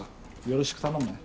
よろしく頼むね。